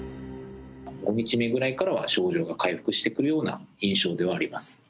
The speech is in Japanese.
５日目ぐらいから症状が回復してくるような印象ではあります。